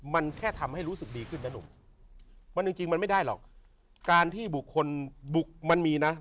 มันแค่ทำให้รู้สึกดีขึ้นนะหนุ่มมันจริงจริงมันไม่ได้หรอกการที่บุคคลบุกมันมีนะ